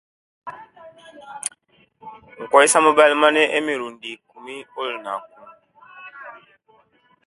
Nkoyesiya emobil mane emirundi ikumi olunaku